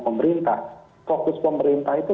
pemerintah fokus pemerintah itu